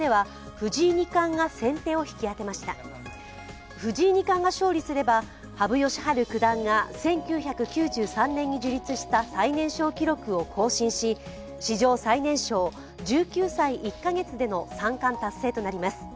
藤井二冠が勝利すれば、羽生善治九段が１９９３年に樹立した最年少記録を更新し、史上最年少１９歳１カ月での三冠達成となります。